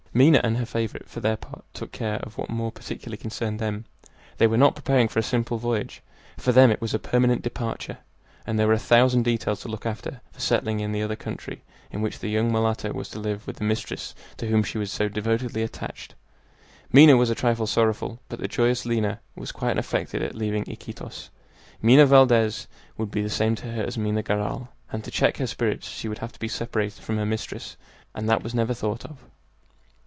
Minha and her favorite for their part took care of what more particularly concerned them. They were not preparing for a simple voyage; for them it was a permanent departure, and there were a thousand details to look after for settling in the other country in which the young mulatto was to live with the mistress to whom she was so devotedly attached. Minha was a trifle sorrowful, but the joyous Lina was quite unaffected at leaving Iquitos. Minha Valdez would be the same to her as Minha Garral, and to check her spirits she would have to be separated from her mistress, and that was never thought of.